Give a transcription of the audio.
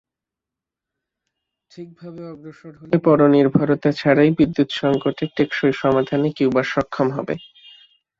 ঠিকভাবে অগ্রসর হলে পরনির্ভরতা ছাড়াই বিদ্যুৎ সংকটের টেকসই সমাধানে কিউবা সক্ষম হবে।